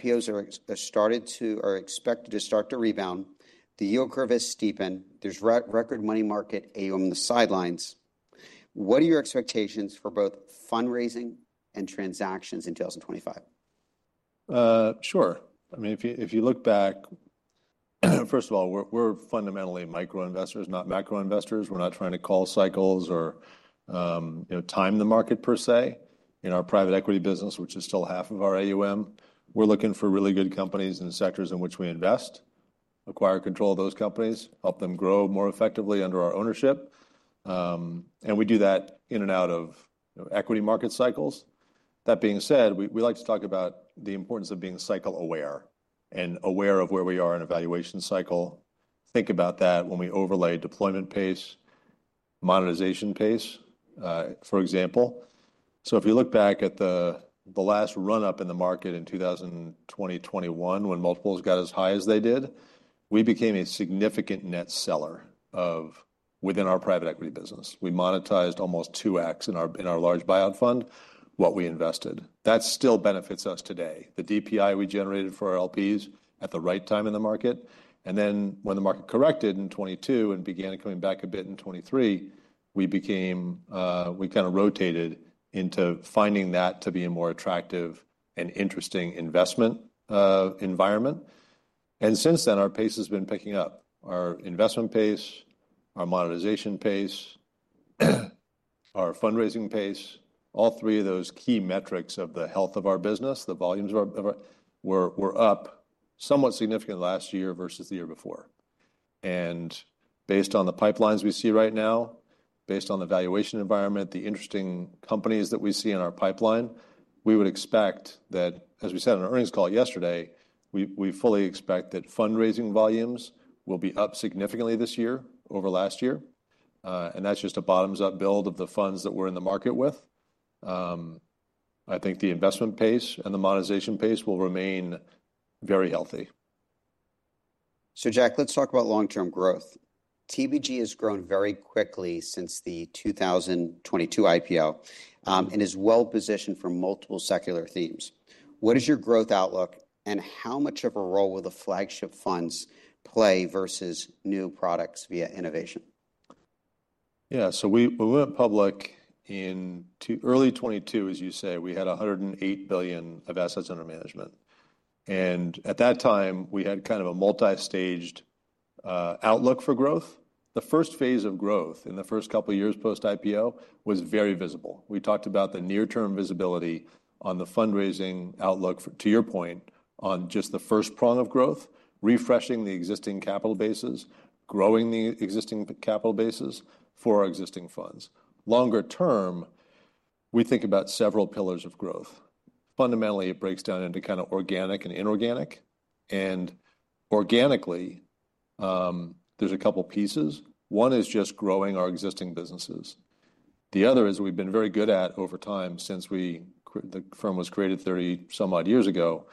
IPOs are expected to start to rebound. The yield curve has steepened. There's record money market AUM on the sidelines. What are your expectations for both fundraising and transactions in 2025? Sure. I mean, if you look back, first of all, we're fundamentally micro investors, not macro investors. We're not trying to call cycles or time the market per se. In our private equity business, which is still half of our AUM, we're looking for really good companies in the sectors in which we invest, acquire control of those companies, help them grow more effectively under our ownership. And we do that in and out of equity market cycles. That being said, we like to talk about the importance of being cycle aware and aware of where we are in a valuation cycle. Think about that when we overlay deployment pace, monetization pace, for example. So if you look back at the last run-up in the market in 2020, 2021, when multiples got as high as they did, we became a significant net seller within our private equity business. We monetized almost two X in our large buyout fund what we invested. That still benefits us today. The DPI we generated for our LPs at the right time in the market, and then when the market corrected in 2022 and began coming back a bit in 2023, we became—we kind of rotated into finding that to be a more attractive and interesting investment environment, and since then, our pace has been picking up. Our investment pace, our monetization pace, our fundraising pace, all three of those key metrics of the health of our business, the volumes of our—we're up somewhat significant last year versus the year before. Based on the pipelines we see right now, based on the valuation environment, the interesting companies that we see in our pipeline, we would expect that, as we said on our earnings call yesterday, we fully expect that fundraising volumes will be up significantly this year over last year. That's just a bottoms-up build of the funds that we're in the market with. I think the investment pace and the monetization pace will remain very healthy. So Jack, let's talk about long-term growth. TPG has grown very quickly since the 2022 IPO and is well positioned for multiple secular themes. What is your growth outlook and how much of a role will the flagship funds play versus new products via innovation? Yeah. So we went public in early 2022, as you say. We had $108 billion of assets under management. And at that time, we had kind of a multi-staged outlook for growth. The first phase of growth in the first couple of years post-IPO was very visible. We talked about the near-term visibility on the fundraising outlook to your point on just the first prong of growth, refreshing the existing capital bases, growing the existing capital bases for our existing funds. Longer term, we think about several pillars of growth. Fundamentally, it breaks down into kind of organic and inorganic. And organically, there's a couple of pieces. One is just growing our existing businesses. The other is we've been very good at, over time since the firm was created 30 some odd years ago,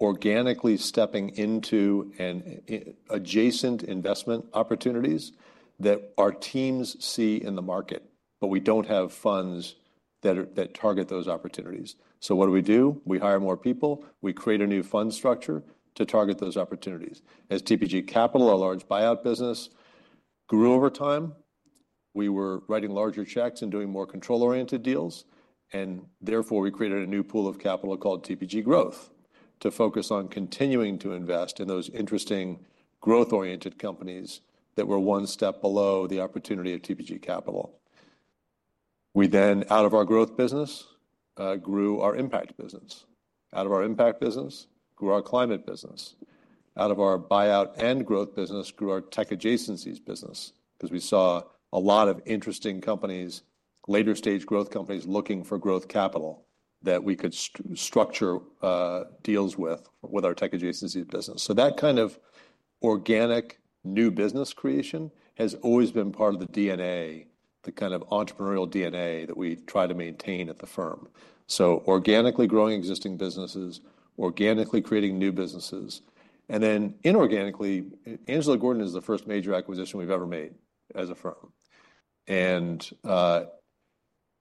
organically stepping into adjacent investment opportunities that our teams see in the market, but we don't have funds that target those opportunities. So what do we do? We hire more people. We create a new fund structure to target those opportunities. As TPG Capital, a large buyout business, grew over time, we were writing larger checks and doing more control-oriented deals. And therefore, we created a new pool of capital called TPG Growth to focus on continuing to invest in those interesting growth-oriented companies that were one step below the opportunity of TPG Capital. We then, out of our growth business, grew our impact business. Out of our impact business, grew our climate business. Out of our buyout and growth business, we grew our Tech Adjacencies business because we saw a lot of interesting companies, later-stage growth companies looking for growth capital that we could structure deals with, with our Tech Adjacencies business. That kind of organic new business creation has always been part of the DNA, the kind of entrepreneurial DNA that we try to maintain at the firm. Organically growing existing businesses, organically creating new businesses. Then inorganically, Angelo Gordon is the first major acquisition we've ever made as a firm.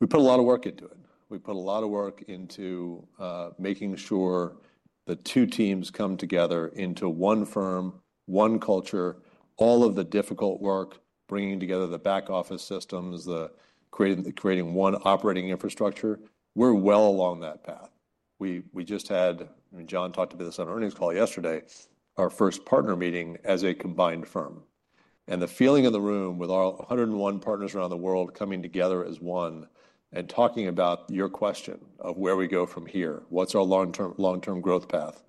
We put a lot of work into it. We put a lot of work into making sure the two teams come together into one firm, one culture, all of the difficult work, bringing together the back office systems, creating one operating infrastructure. We're well along that path. We just had (Jon Winkelried talked about this on our earnings call yesterday) our first partner meeting as a combined firm, and the feeling in the room with our 101 partners around the world coming together as one and talking about your question of where we go from here, what's our long-term growth path,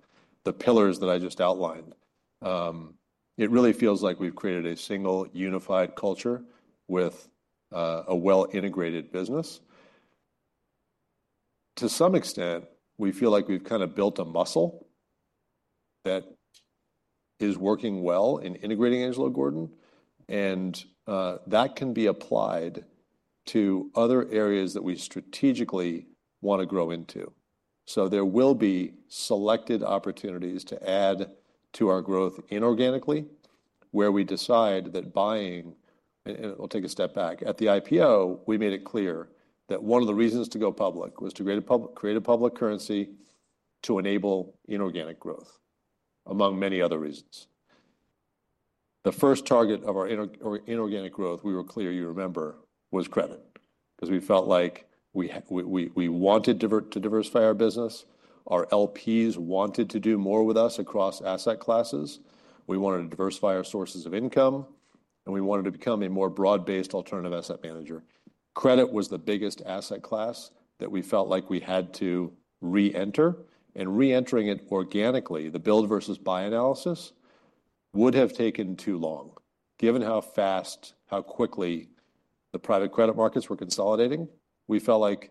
the pillars that I just outlined, it really feels like we've created a single unified culture with a well-integrated business. To some extent, we feel like we've kind of built a muscle that is working well in integrating Angelo Gordon, and that can be applied to other areas that we strategically want to grow into, so there will be selected opportunities to add to our growth inorganically where we decide that buying, and we'll take a step back. At the IPO, we made it clear that one of the reasons to go public was to create a public currency to enable inorganic growth, among many other reasons. The first target of our inorganic growth, we were clear, you remember, was credit because we felt like we wanted to diversify our business. Our LPs wanted to do more with us across asset classes. We wanted to diversify our sources of income, and we wanted to become a more broad-based alternative asset manager. Credit was the biggest asset class that we felt like we had to reenter, and reentering it organically, the build versus buy analysis, would have taken too long. Given how fast, how quickly the private credit markets were consolidating, we felt like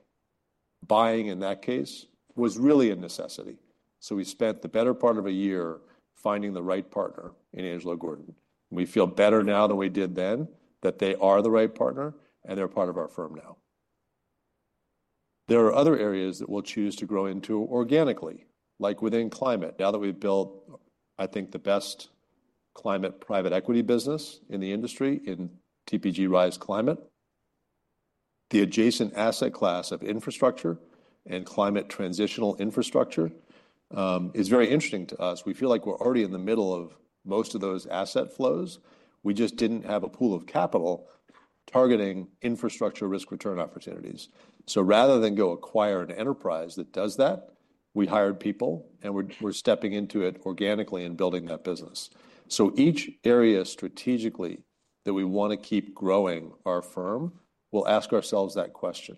buying in that case was really a necessity, so we spent the better part of a year finding the right partner in Angelo Gordon. We feel better now than we did then that they are the right partner and they're part of our firm now. There are other areas that we'll choose to grow into organically, like within climate. Now that we've built, I think, the best climate private equity business in the industry in TPG Rise Climate, the adjacent asset class of infrastructure and climate transitional infrastructure is very interesting to us. We feel like we're already in the middle of most of those asset flows. We just didn't have a pool of capital targeting infrastructure risk return opportunities. So rather than go acquire an enterprise that does that, we hired people, and we're stepping into it organically and building that business. So each area strategically that we want to keep growing our firm, we'll ask ourselves that question: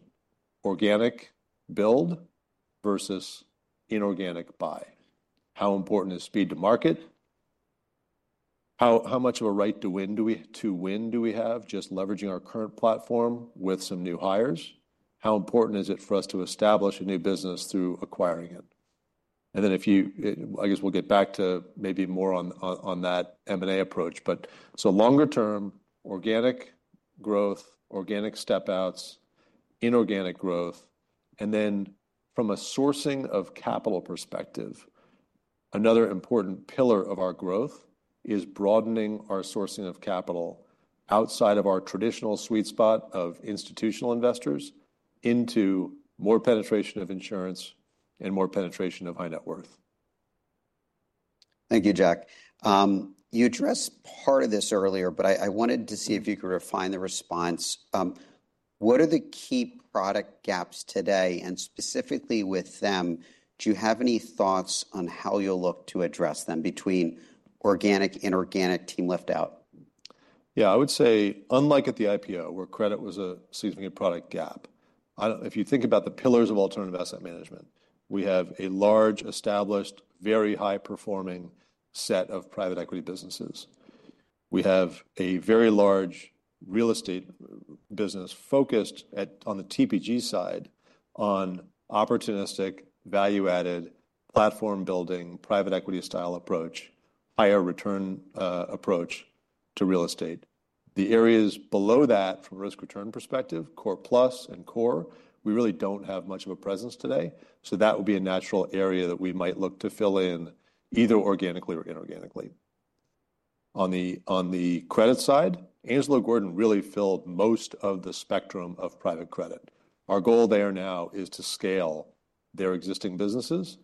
organic build versus inorganic buy. How important is speed to market? How much of a right to win do we have just leveraging our current platform with some new hires? How important is it for us to establish a new business through acquiring it? And then if you—I guess we'll get back to maybe more on that M&A approach. But so longer term, organic growth, organic step-outs, inorganic growth. And then from a sourcing of capital perspective, another important pillar of our growth is broadening our sourcing of capital outside of our traditional sweet spot of institutional investors into more penetration of insurance and more penetration of high net worth. Thank you, Jack. You addressed part of this earlier, but I wanted to see if you could refine the response. What are the key product gaps today? And specifically with them, do you have any thoughts on how you'll look to address them between organic, inorganic, team lift-out? Yeah. I would say, unlike at the IPO, where credit was a significant product gap, if you think about the pillars of alternative asset management, we have a large, established, very high-performing set of private equity businesses. We have a very large real estate business focused on the TPG side on opportunistic, value-added, platform-building, private equity style approach, higher return approach to real estate. The areas below that from a risk return perspective, core plus and core, we really don't have much of a presence today. So that would be a natural area that we might look to fill in either organically or inorganically. On the credit side, Angelo Gordon really filled most of the spectrum of private credit. Our goal there now is to scale their existing businesses.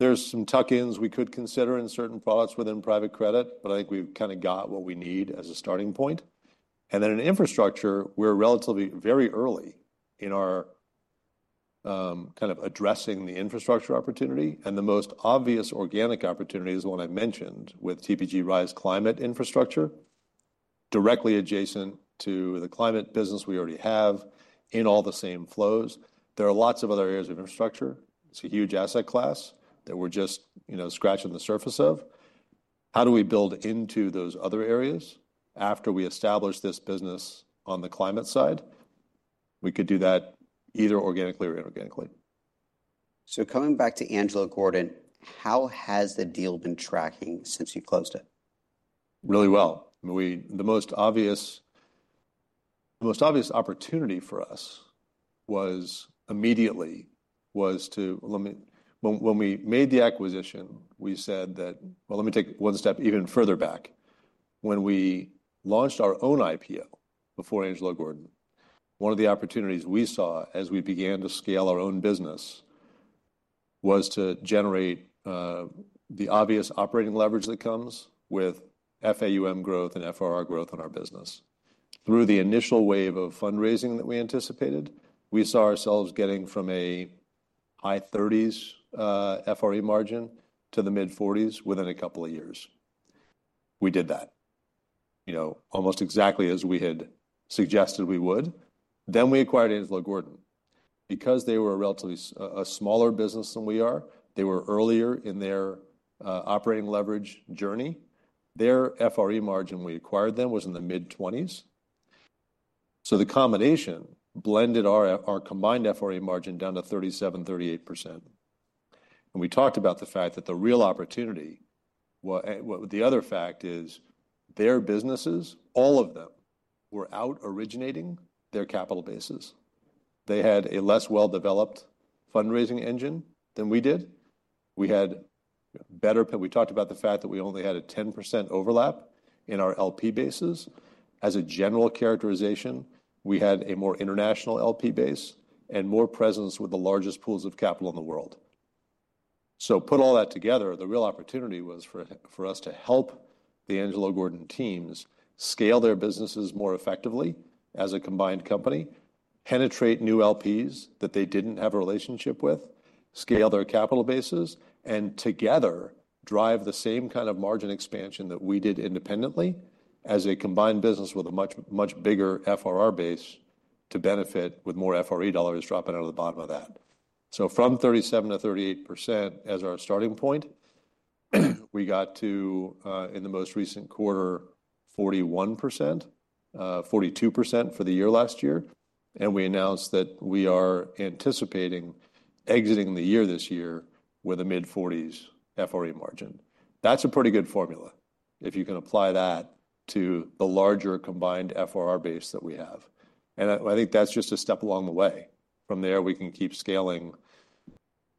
There's some tuck-ins we could consider in certain products within private credit, but I think we've kind of got what we need as a starting point. And then in infrastructure, we're relatively very early in our kind of addressing the infrastructure opportunity. And the most obvious organic opportunity is the one I mentioned with TPG Rise Climate infrastructure directly adjacent to the climate business we already have in all the same flows. There are lots of other areas of infrastructure. It's a huge asset class that we're just scratching the surface of. How do we build into those other areas after we establish this business on the climate side? We could do that either organically or inorganically. So coming back to Angelo Gordon, how has the deal been tracking since you closed it? Really well. The most obvious opportunity for us immediately was to, when we made the acquisition, we said that. Well, let me take one step even further back. When we launched our own IPO before Angelo Gordon, one of the opportunities we saw as we began to scale our own business was to generate the obvious operating leverage that comes with FAUM growth and FRR growth in our business. Through the initial wave of fundraising that we anticipated, we saw ourselves getting from a high-30s FRE margin to the mid-40s within a couple of years. We did that almost exactly as we had suggested we would. Then we acquired Angelo Gordon. Because they were a smaller business than we are, they were earlier in their operating leverage journey. Their FRE margin when we acquired them was in the mid-20s. So the combination blended our combined FRE margin down to 37%-38%. And we talked about the fact that the real opportunity, the other fact is their businesses, all of them, were out originating their capital bases. They had a less well-developed fundraising engine than we did. We had better. We talked about the fact that we only had a 10% overlap in our LP bases. As a general characterization, we had a more international LP base and more presence with the largest pools of capital in the world. So put all that together, the real opportunity was for us to help the Angelo Gordon teams scale their businesses more effectively as a combined company, penetrate new LPs that they didn't have a relationship with, scale their capital bases, and together drive the same kind of margin expansion that we did independently as a combined business with a much bigger FRR base to benefit with more FRE dollars dropping out of the bottom of that. So from 37%-38% as our starting point, we got to, in the most recent quarter, 41%, 42% for the year last year. And we announced that we are anticipating exiting the year this year with a mid-40s FRE margin. That's a pretty good formula if you can apply that to the larger combined FRR base that we have. And I think that's just a step along the way. From there, we can keep scaling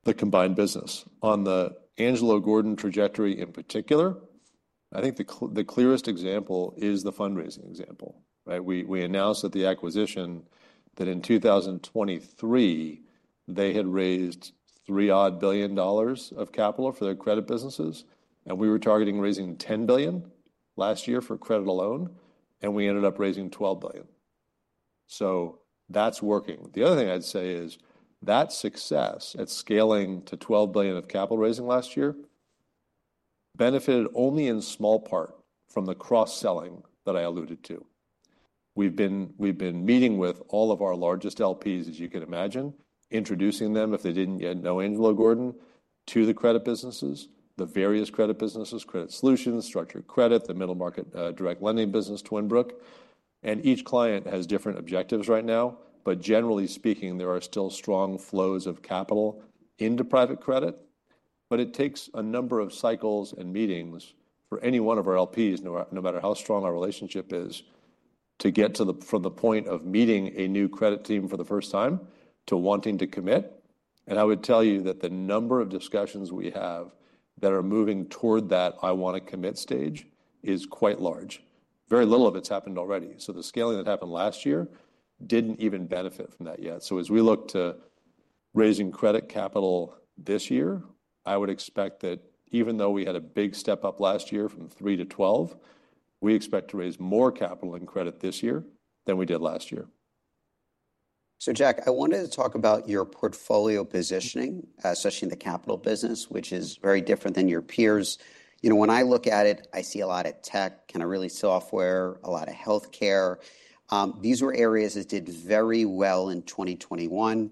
the combined business. On the Angelo Gordon trajectory in particular, I think the clearest example is the fundraising example. We announced at the acquisition that in 2023, they had raised three-odd billion dollars of capital for their credit businesses. And we were targeting raising $10 billion last year for credit alone. And we ended up raising $12 billion. So that's working. The other thing I'd say is that success at scaling to $12 billion of capital raising last year benefited only in small part from the cross-selling that I alluded to. We've been meeting with all of our largest LPs, as you can imagine, introducing them, if they didn't yet know Angelo Gordon, to the credit businesses, the various credit businesses, credit solutions, structured credit, the middle market direct lending business, Twin Brook. And each client has different objectives right now. But generally speaking, there are still strong flows of capital into private credit. But it takes a number of cycles and meetings for any one of our LPs, no matter how strong our relationship is, to get from the point of meeting a new credit team for the first time to wanting to commit. And I would tell you that the number of discussions we have that are moving toward that I want to commit stage is quite large. Very little of it's happened already. So the scaling that happened last year didn't even benefit from that yet. So as we look to raising credit capital this year, I would expect that even though we had a big step up last year from 3 to 12, we expect to raise more capital and credit this year than we did last year. So Jack, I wanted to talk about your portfolio positioning, especially in the capital business, which is very different than your peers. When I look at it, I see a lot of tech, kind of really software, a lot of healthcare. These were areas that did very well in 2021.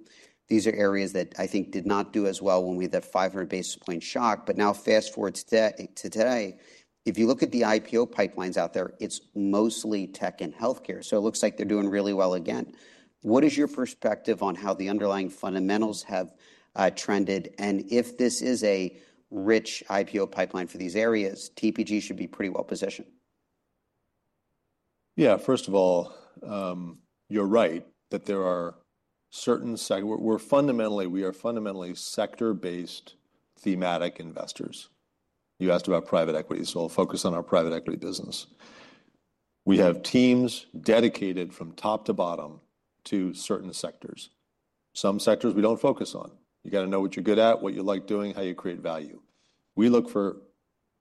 These are areas that I think did not do as well when we had that 500 basis points shock. But now fast forward to today, if you look at the IPO pipelines out there, it's mostly tech and healthcare. So it looks like they're doing really well again. What is your perspective on how the underlying fundamentals have trended? And if this is a rich IPO pipeline for these areas, TPG should be pretty well positioned. Yeah. First of all, you're right that there are certain—we're fundamentally sector-based thematic investors. You asked about private equity, so we'll focus on our private equity business. We have teams dedicated from top to bottom to certain sectors. Some sectors we don't focus on. You got to know what you're good at, what you like doing, how you create value. We look for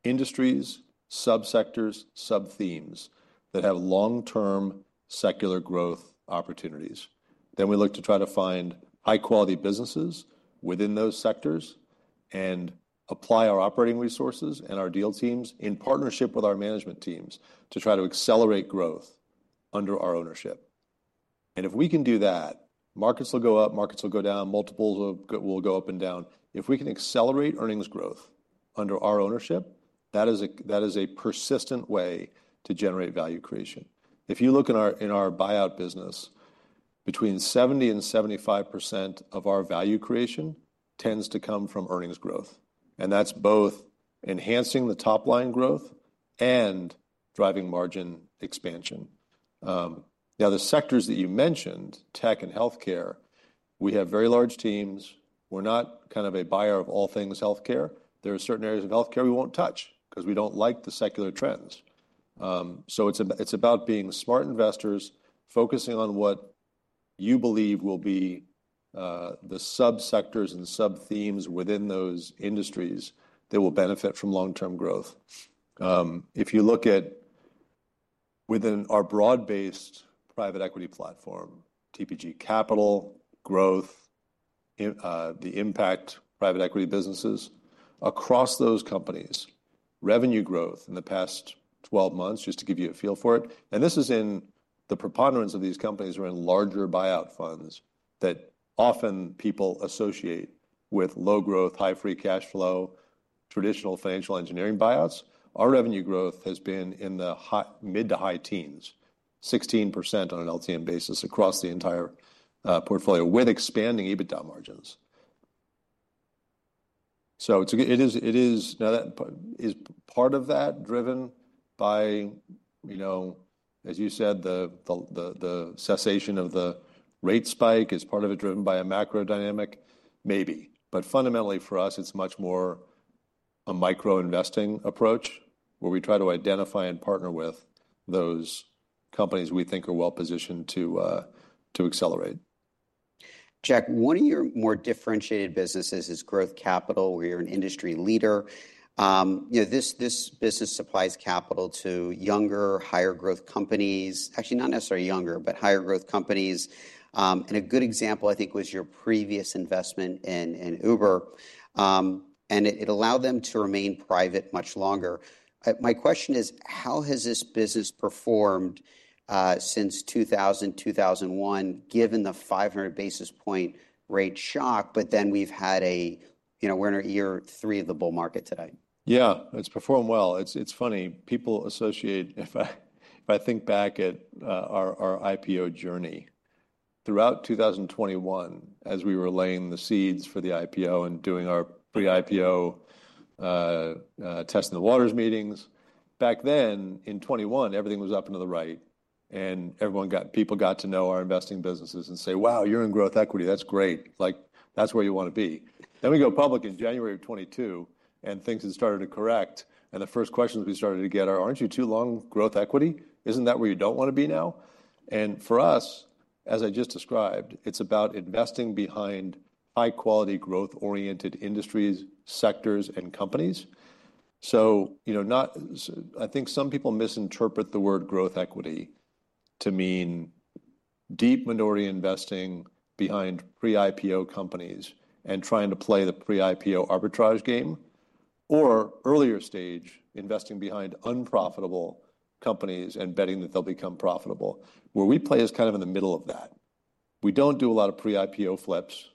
industries, subsectors, sub-themes that have long-term secular growth opportunities. Then we look to try to find high-quality businesses within those sectors and apply our operating resources and our deal teams in partnership with our management teams to try to accelerate growth under our ownership, and if we can do that, markets will go up, markets will go down, multiples will go up and down. If we can accelerate earnings growth under our ownership, that is a persistent way to generate value creation. If you look in our buyout business, between 70% and 75% of our value creation tends to come from earnings growth and that's both enhancing the top line growth and driving margin expansion. Now, the sectors that you mentioned, tech and healthcare, we have very large teams. We're not kind of a buyer of all things healthcare. There are certain areas of healthcare we won't touch because we don't like the secular trends, so it's about being smart investors, focusing on what you believe will be the subsectors and sub-themes within those industries that will benefit from long-term growth. If you look at within our broad-based private equity platform, TPG Capital, growth, the impact private equity businesses across those companies, revenue growth in the past 12 months, just to give you a feel for it. This is in the preponderance of these companies are in larger buyout funds that often people associate with low growth, high free cash flow, traditional financial engineering buyouts. Our revenue growth has been in the mid to high teens, 16% on an LTM basis across the entire portfolio with expanding EBITDA margins. It is part of that driven by, as you said, the cessation of the rate spike. [This] is part of it driven by a macro dynamic, maybe. Fundamentally for us, it's much more a micro investing approach where we try to identify and partner with those companies we think are well positioned to accelerate. Jack, one of your more differentiated businesses is TPG Growth, where you're an industry leader. This business supplies capital to younger, higher growth companies, actually not necessarily younger, but higher growth companies, and a good example, I think, was your previous investment in Uber, and it allowed them to remain private much longer. My question is, how has this business performed since 2000, 2001, given the 500 basis points rate shock, but then we're in year three of the bull market today. Yeah. It's performed well. It's funny. People associate, if I think back at our IPO journey, throughout 2021, as we were laying the seeds for the IPO and doing our pre-IPO test in the waters meetings, back then in 2021, everything was up and to the right. And people got to know our investing businesses and say, "Wow, you're in growth equity. That's great. That's where you want to be." Then we go public in January of 2022, and things had started to correct. And the first questions we started to get are, "Aren't you too long growth equity? Isn't that where you don't want to be now?" And for us, as I just described, it's about investing behind high-quality growth-oriented industries, sectors, and companies. I think some people misinterpret the word growth equity to mean deep minority investing behind pre-IPO companies and trying to play the pre-IPO arbitrage game, or earlier stage investing behind unprofitable companies and betting that they'll become profitable, where we play as kind of in the middle of that. We don't do a lot of pre-IPO flips.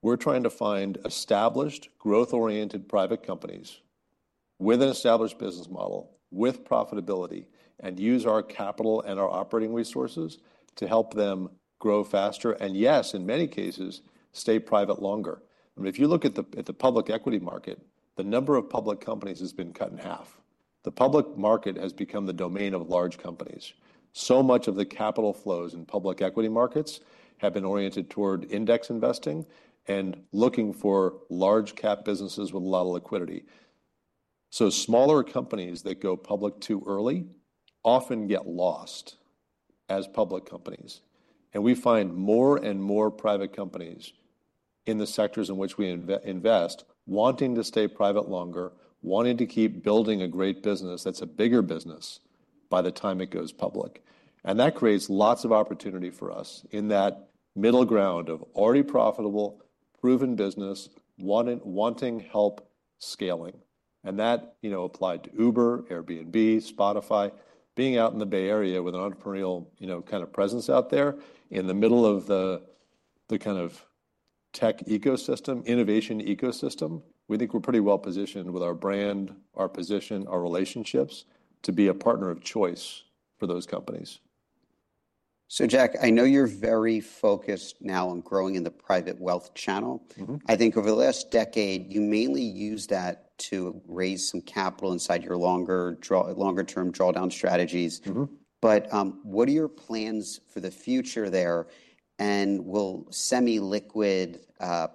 We're trying to find established growth-oriented private companies with an established business model with profitability and use our capital and our operating resources to help them grow faster and, yes, in many cases, stay private longer. If you look at the public equity market, the number of public companies has been cut in half. The public market has become the domain of large companies. So much of the capital flows in public equity markets have been oriented toward index investing and looking for large cap businesses with a lot of liquidity. So, smaller companies that go public too early often get lost as public companies. And we find more and more private companies in the sectors in which we invest wanting to stay private longer, wanting to keep building a great business that's a bigger business by the time it goes public. And that creates lots of opportunity for us in that middle ground of already profitable, proven business, wanting help scaling. And that applied to Uber, Airbnb, Spotify. Being out in the Bay Area with an entrepreneurial kind of presence out there in the middle of the kind of tech ecosystem, innovation ecosystem, we think we're pretty well positioned with our brand, our position, our relationships to be a partner of choice for those companies. So Jack, I know you're very focused now on growing in the private wealth channel. I think over the last decade, you mainly use that to raise some capital inside your longer-term drawdown strategies. But what are your plans for the future there? And will semi-liquid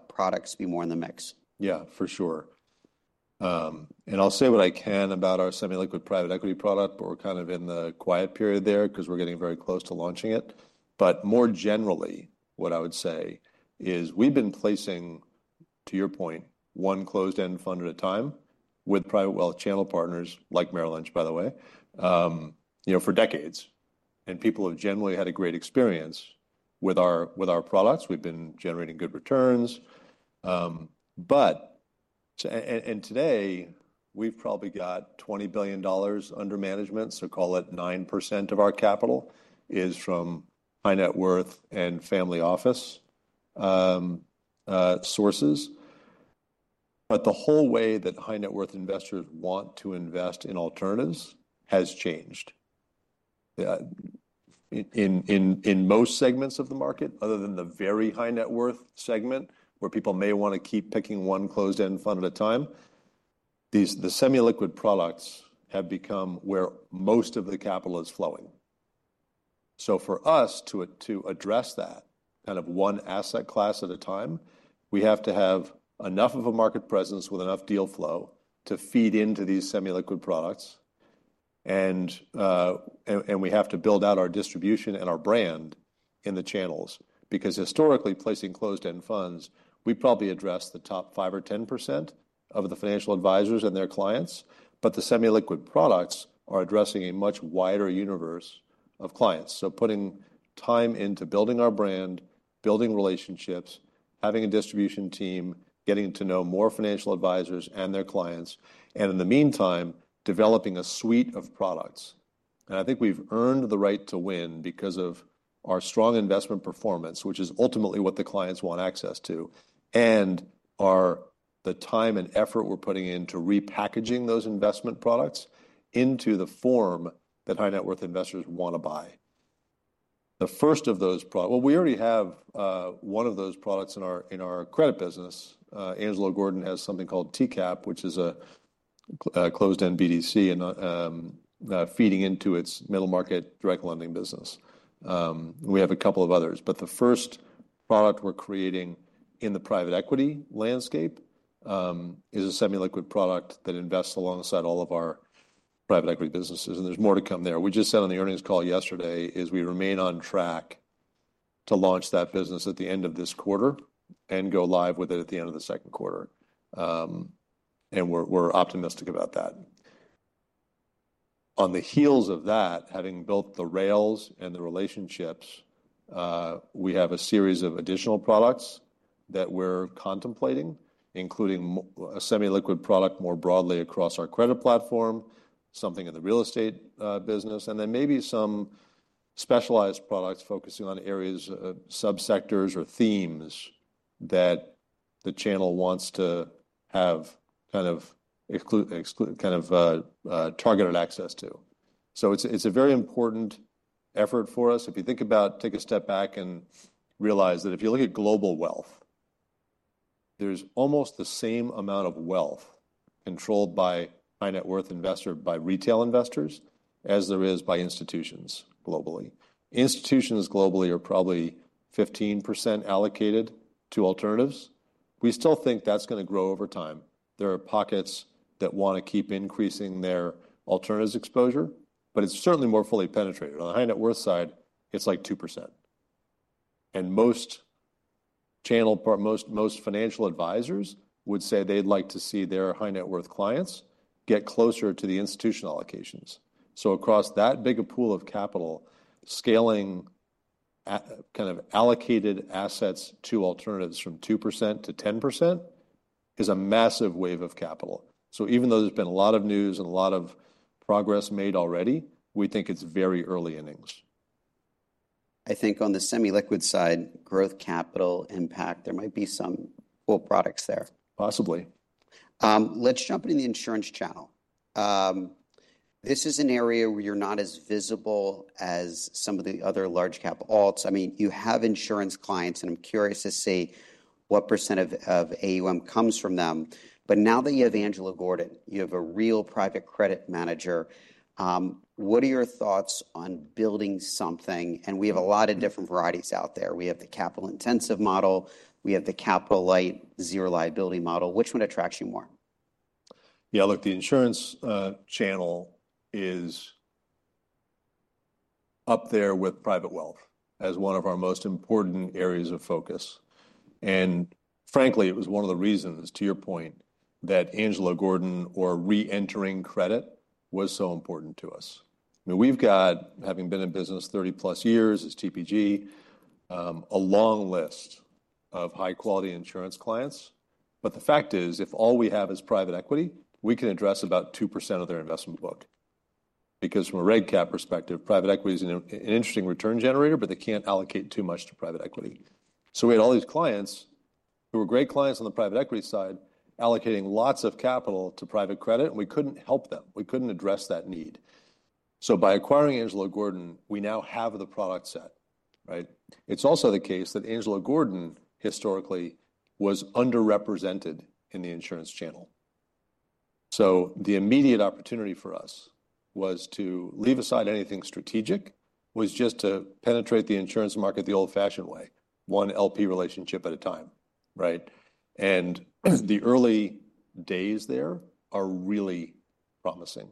products be more in the mix? Yeah, for sure. And I'll say what I can about our semi-liquid private equity product. We're kind of in the quiet period there because we're getting very close to launching it. But more generally, what I would say is we've been placing, to your point, one closed-end fund at a time with private wealth channel partners like Merrill Lynch, by the way, for decades. And people have generally had a great experience with our products. We've been generating good returns. And today, we've probably got $20 billion under management. So call it 9% of our capital is from high net worth and family office sources. But the whole way that high net worth investors want to invest in alternatives has changed. In most segments of the market, other than the very high net worth segment, where people may want to keep picking one closed-end fund at a time, the semi-liquid products have become where most of the capital is flowing. So for us to address that kind of one asset class at a time, we have to have enough of a market presence with enough deal flow to feed into these semi-liquid products. And we have to build out our distribution and our brand in the channels. Because historically, placing closed-end funds, we probably address the top five or 10% of the financial advisors and their clients. But the semi-liquid products are addressing a much wider universe of clients. So putting time into building our brand, building relationships, having a distribution team, getting to know more financial advisors and their clients, and in the meantime, developing a suite of products. I think we've earned the right to win because of our strong investment performance, which is ultimately what the clients want access to, and the time and effort we're putting into repackaging those investment products into the form that high net worth investors want to buy. The first of those products, well, we already have one of those products in our credit business. Angelo Gordon has something called TCAP, which is a closed-end BDC feeding into its middle market direct lending business. We have a couple of others. But the first product we're creating in the private equity landscape is a semi-liquid product that invests alongside all of our private equity businesses. There's more to come there. We just said on the earnings call yesterday is we remain on track to launch that business at the end of this quarter and go live with it at the end of the second quarter. And we're optimistic about that. On the heels of that, having built the rails and the relationships, we have a series of additional products that we're contemplating, including a semi-liquid product more broadly across our credit platform, something in the real estate business, and then maybe some specialized products focusing on areas, subsectors, or themes that the channel wants to have kind of targeted access to. So it's a very important effort for us. If you think about, take a step back and realize that if you look at global wealth, there's almost the same amount of wealth controlled by high net worth investors, by retail investors, as there is by institutions globally. Institutions globally are probably 15% allocated to alternatives. We still think that's going to grow over time. There are pockets that want to keep increasing their alternatives exposure, but it's certainly more fully penetrated. On the high net worth side, it's like 2%, and most channels, most financial advisors would say they'd like to see their high net worth clients get closer to the institutional allocations, so across that big pool of capital, scaling kind of allocated assets to alternatives from 2% to 10% is a massive wave of capital, so even though there's been a lot of news and a lot of progress made already, we think it's very early innings. I think on the semi-liquid side, growth capital impact, there might be some cool products there. Possibly. Let's jump into the insurance channel. This is an area where you're not as visible as some of the other large cap alts. I mean, you have insurance clients, and I'm curious to see what % of AUM comes from them. But now that you have Angelo Gordon, you have a real private credit manager, what are your thoughts on building something? And we have a lot of different varieties out there. We have the capital-intensive model. We have the capital-light, zero liability model. Which one attracts you more? Yeah, look, the insurance channel is up there with private wealth as one of our most important areas of focus. Frankly, it was one of the reasons, to your point, that Angelo Gordon or re-entering credit was so important to us. I mean, we've got, having been in business 30 plus years as TPG, a long list of high-quality insurance clients. The fact is, if all we have is private equity, we can address about 2% of their investment book. Because from a Reg Cap perspective, private equity is an interesting return generator, but they can't allocate too much to private equity. We had all these clients who were great clients on the private equity side, allocating lots of capital to private credit, and we couldn't help them. We couldn't address that need. By acquiring Angelo Gordon, we now have the product set. It's also the case that Angelo Gordon historically was underrepresented in the insurance channel, so the immediate opportunity for us was to leave aside anything strategic, was just to penetrate the insurance market the old-fashioned way, one LP relationship at a time, and the early days there are really promising.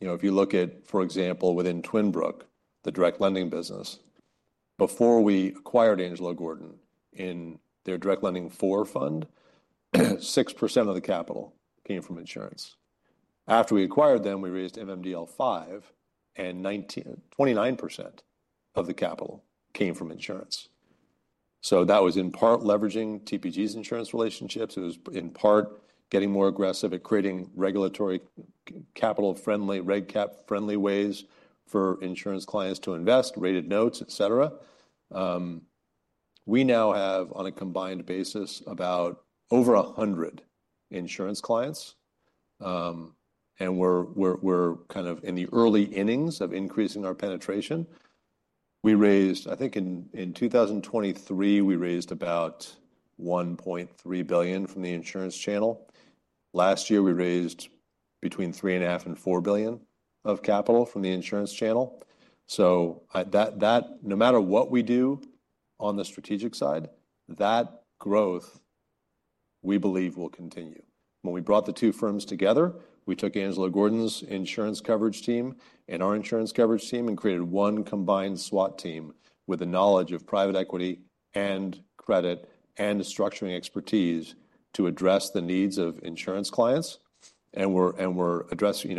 If you look at, for example, within Twin Brook, the direct lending business, before we acquired Angelo Gordon in their Direct Lending IV fund, 6% of the capital came from insurance. After we acquired them, we raised MMDL V and 29% of the capital came from insurance, so that was in part leveraging TPG's insurance relationships. It was in part getting more aggressive at creating regulatory capital-friendly, Reg Cap-friendly ways for insurance clients to invest, rated notes, et cetera. We now have, on a combined basis, about over 100 insurance clients. We're kind of in the early innings of increasing our penetration. I think in 2023, we raised about $1.3 billion from the insurance channel. Last year, we raised between $3.5 billion and $4 billion of capital from the insurance channel. So no matter what we do on the strategic side, that growth, we believe, will continue. When we brought the two firms together, we took Angelo Gordon's insurance coverage team and our insurance coverage team and created one combined SWAT team with the knowledge of private equity and credit and structuring expertise to address the needs of insurance clients. And we're addressing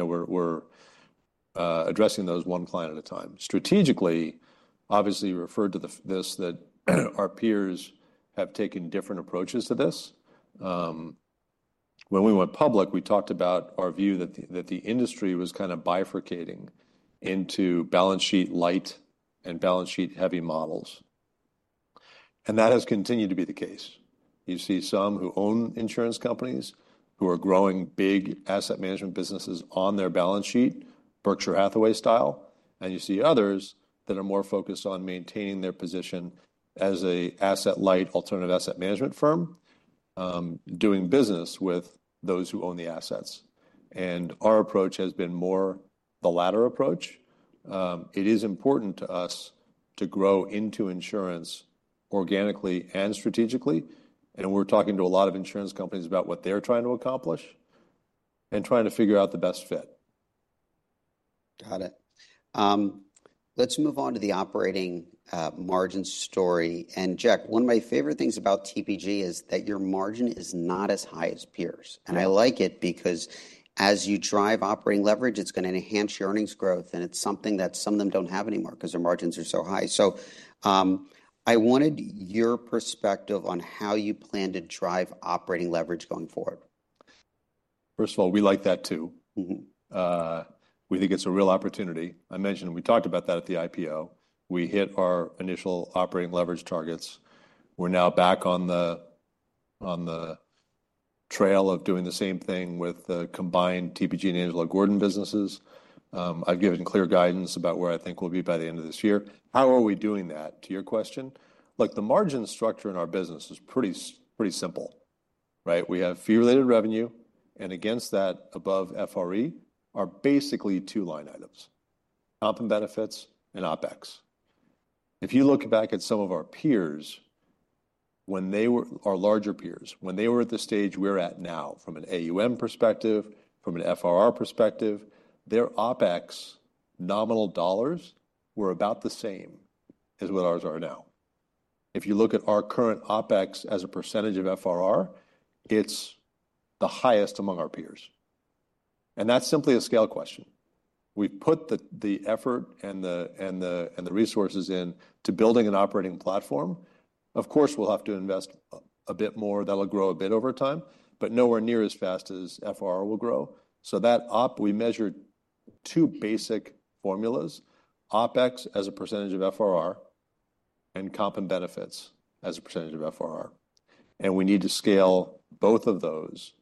those one client at a time. Strategically, obviously, you referred to this, that our peers have taken different approaches to this. When we went public, we talked about our view that the industry was kind of bifurcating into balance sheet light and balance sheet heavy models. And that has continued to be the case. You see some who own insurance companies who are growing big asset management businesses on their balance sheet, Berkshire Hathaway style. And you see others that are more focused on maintaining their position as an asset-light alternative asset management firm, doing business with those who own the assets. And our approach has been more the latter approach. It is important to us to grow into insurance organically and strategically. And we're talking to a lot of insurance companies about what they're trying to accomplish and trying to figure out the best fit. Got it. Let's move on to the operating margin story. And Jack, one of my favorite things about TPG is that your margin is not as high as peers. And I like it because as you drive operating leverage, it's going to enhance your earnings growth. And it's something that some of them don't have anymore because their margins are so high. So I wanted your perspective on how you plan to drive operating leverage going forward. First of all, we like that too. We think it's a real opportunity. I mentioned we talked about that at the IPO. We hit our initial operating leverage targets. We're now back on the trail of doing the same thing with the combined TPG and Angelo Gordon businesses. I've given clear guidance about where I think we'll be by the end of this year. How are we doing that, to your question? Look, the margin structure in our business is pretty simple. We have fee-related revenue. And against that, above FRE are basically two line items: comp and benefits and OPEX. If you look back at some of our peers, when they were our larger peers, when they were at the stage we're at now, from an AUM perspective, from an FRR perspective, their OPEX nominal dollars were about the same as what ours are now. If you look at our current OPEX as a percentage of FRR, it's the highest among our peers. And that's simply a scale question. We've put the effort and the resources into building an operating platform. Of course, we'll have to invest a bit more. That'll grow a bit over time, but nowhere near as fast as FRR will grow. So that OPEX, we measured two basic formulas: OPEX as a percentage of FRR and comp and benefits as a percentage of FRR. And we need to scale both of those.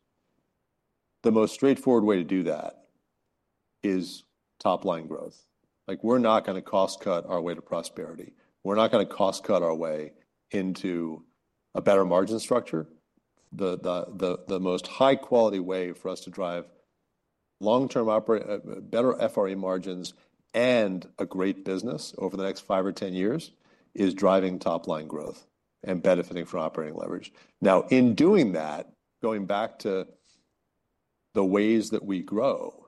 The most straightforward way to do that is top-line growth. We're not going to cost-cut our way to prosperity. We're not going to cost-cut our way into a better margin structure. The most high-quality way for us to drive long-term better FRE margins and a great business over the next five or 10 years is driving top-line growth and benefiting from operating leverage. Now, in doing that, going back to the ways that we grow,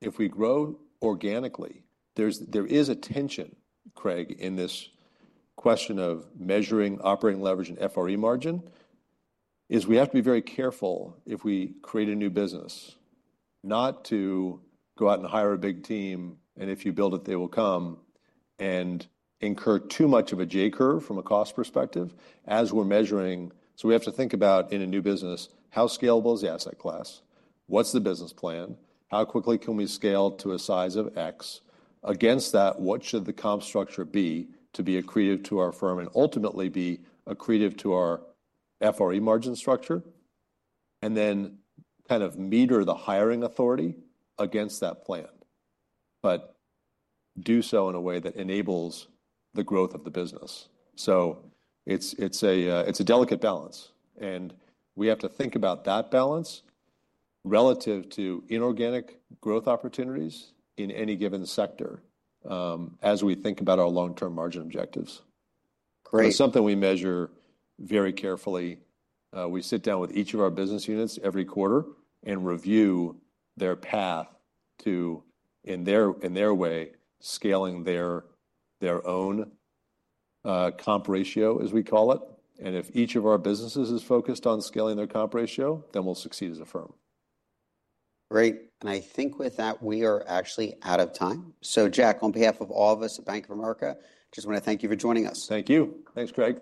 if we grow organically, there is a tension, Craig, in this question of measuring operating leverage and FRE margin, is we have to be very careful if we create a new business, not to go out and hire a big team, and if you build it, they will come, and incur too much of a J curve from a cost perspective as we're measuring. So we have to think about, in a new business, how scalable is the asset class? What's the business plan? How quickly can we scale to a size of X? Against that, what should the comp structure be to be accretive to our firm and ultimately be accretive to our FRE margin structure? And then kind of meter the hiring authority against that plan, but do so in a way that enables the growth of the business. So it's a delicate balance. And we have to think about that balance relative to inorganic growth opportunities in any given sector as we think about our long-term margin objectives. Great. It's something we measure very carefully. We sit down with each of our business units every quarter and review their path to, in their way, scaling their own Comp ratio, as we call it, and if each of our businesses is focused on scaling their Comp ratio, then we'll succeed as a firm. Great. And I think with that, we are actually out of time. So Jack, on behalf of all of us at Bank of America, just want to thank you for joining us. Thank you. Thanks, Craig.